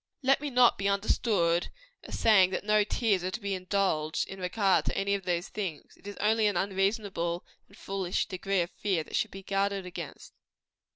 Let me not be understood as saying that no tears are to be indulged, in regard to any of these things; it is only an unreasonable and foolish degree of fear, that should be guarded against.